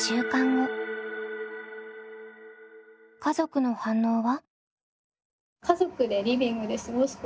家族の反応は？